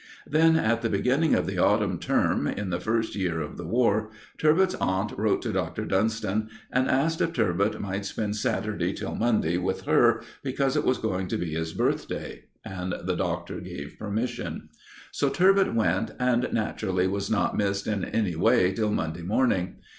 Then, at the beginning of the autumn term, in the first year of the War, "Turbot's" aunt wrote to Dr. Dunston and asked if "Turbot" might spend Saturday till Monday with her, because it was going to be his birthday; and the Doctor gave permission. So "Turbot" went, and naturally was not missed in any way till Monday morning.